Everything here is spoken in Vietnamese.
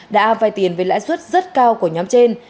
đã vay tiền với lãi suất rất cao của nhóm trên